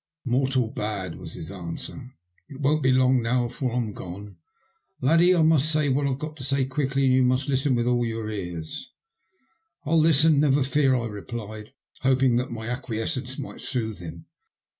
" Mortal bad," was his answer. " It won't be long now afore I'm gone. Laddie, I must say what I've got to say quickly, and you must listen with all your ears." ''I'll listen, never fear," I roplied, hoping that my acquiescence might soothe him.